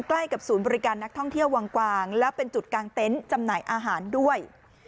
ใกล้กับศูนย์บริการนักท่องเที่ยววังกวางแล้วเป็นจุดกางเต็นต์จำหน่ายอาหารด้วย